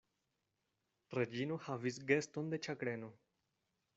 Reĝino havis geston de ĉagreno.